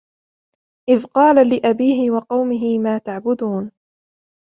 إذ قال لأبيه وقومه ما تعبدون